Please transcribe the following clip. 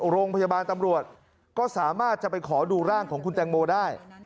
โรงพยาบาลตำรวจก็สามารถจะไปขอดูร่างของคุณแตงโมได้